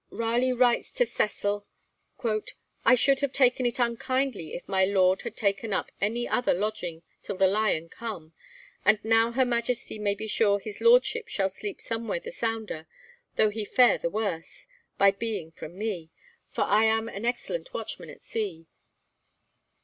Raleigh writes to Cecil: 'I should have taken it unkindly if my Lord had taken up any other lodging till the "Lion" come: and now her Majesty may be sure his Lordship shall sleep somewhat the sounder, though he fare the worse, by being with me, for I am an excellent watchman at sea.'